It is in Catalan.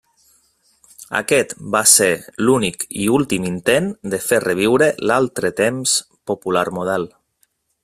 Aquest va ser l'únic i últim intent de fer reviure l'altre temps popular model.